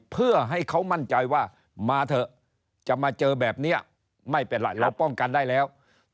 เพื่อให้เขามั่นใจว่ามาเถอะจะมาเจอแบบนี้ไม่เป็นไรเราป้องกันได้แล้ว